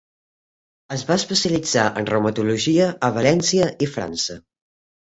Es va especialitzar en reumatologia a València i França.